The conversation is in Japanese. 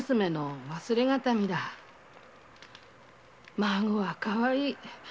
孫はかわいい。